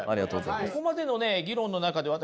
ここまでのね議論の中で私